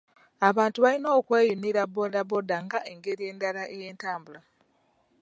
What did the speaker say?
Abantu balina okweyunira bbooda bbooda nga engeri endala ey'entambula